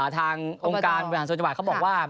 ทางองค์การบริษัทสวจบัตรเขาบอกว่า